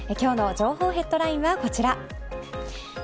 今日の情報ヘッドラインはこちら。